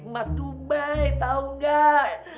mas tuh bay tau gak